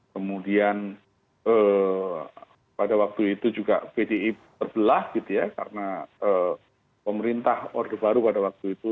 kemudian pada waktu itu juga bdi berbelah karena pemerintah orde baru pada waktu itu